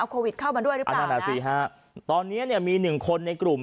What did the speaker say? เอาโควิดเข้ามาด้วยหรือเปล่านะฮะตอนเนี้ยเนี้ยมีหนึ่งคนในกลุ่ม